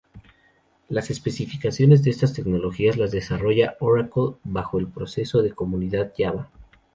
Las especificaciones de estas tecnologías las desarrolla Oracle bajo el proceso de Comunidad Java.